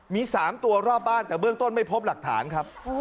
มี๓ตัวรอบบ้านแต่เบื้องต้นไม่พบหลักฐานครับ